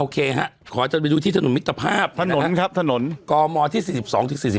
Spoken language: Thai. โอเคค่ะขอให้จะไปดูที่ถนนมิตรภภ้าพถนนครับถนนก่อพมที่๔๒จึง๔๓